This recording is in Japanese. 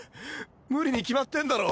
無理に決まってんだろ。